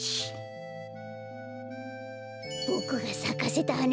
ボクがさかせたはな